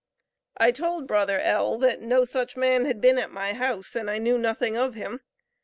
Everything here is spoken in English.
I told Bro. L. that no such man had been at my house, and I knew nothing of him.